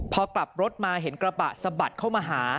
พอกลับรถมาเห็นกระบะสะบัดเข้ามาหา